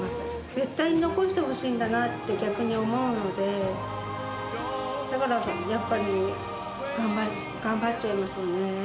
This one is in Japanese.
絶対残してほしいんだなって、逆に思うので、だからやっぱり頑張っちゃいますよね。